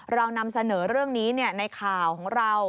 เรานำเสนอเรื่องนี้ในข่าวของเรา